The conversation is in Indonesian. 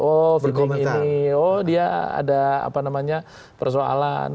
oh feeding ini oh dia ada persoalan